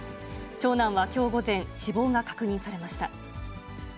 長男はきょう午前、死亡が確認されました。